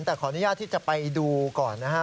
แต่ขออนุญาตที่จะไปดูก่อนนะฮะ